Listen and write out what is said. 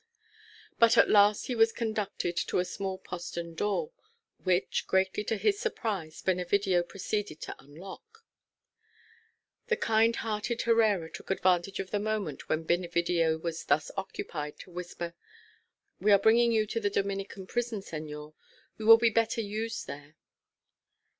But at last he was conducted to a small postern door, which, greatly to his surprise, Benevidio proceeded to unlock. The kind hearted Herrera took advantage of the moment when Benevidio was thus occupied to whisper, "We are bringing you to the Dominican prison, señor; you will be better used there."